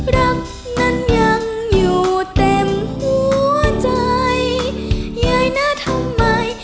รักนั้นยังอยู่เต็มหัวใจยายน่าทำไม